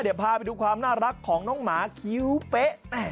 เดี๋ยวพาไปดูความน่ารักของน้องหมาคิ้วเป๊ะ